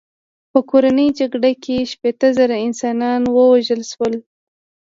په کورنۍ جګړه کې شپېته زره انسانان ووژل شول.